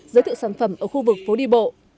giới thiệu sản phẩm ở khu vực phố đi bộ